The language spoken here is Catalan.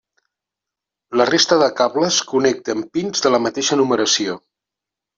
La resta de cables connecten pins de la mateixa numeració.